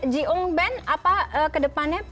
jiung ben apa kedepannya berhasil